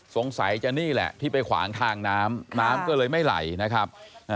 สงสัยจะนี่แหละที่ไปขวางทางน้ำน้ำก็เลยไม่ไหลนะครับ